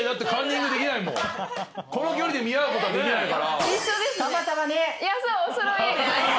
この距離で見合うことはできないから。